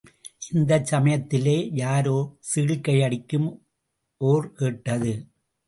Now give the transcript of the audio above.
இந்தச் சமயத்திலே யாரோ சீழ்க்கையடிக்கும் ஓர் கேட்டது.